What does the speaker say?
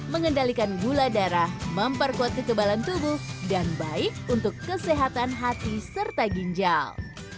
mengendalikan gula darah memperkuat kekebalan tubuh dan baik untuk kesehatan hati serta ginjal